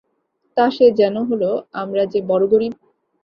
তা সে যেন হল, আমরা যে বড়ো গরিব।